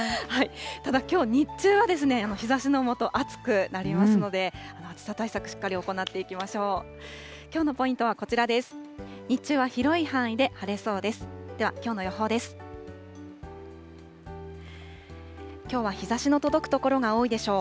ただ、きょう日中は、日ざしの下、暑くなりますので、暑さ対策、しっかり行っていきましょう。